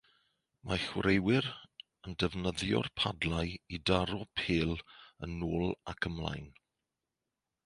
Mae chwaraewyr yn defnyddio'r padlau i daro pêl yn ôl ac ymlaen.